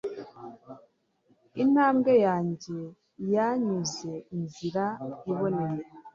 intambwe yanjye yanyuze inzira iboneye